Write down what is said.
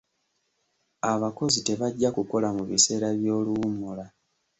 Abakozi tebajja kukola mu biseera by'oluwummula.